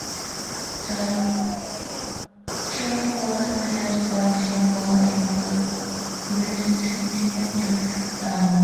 The choir was led by singer and presenter Joy Dunlop.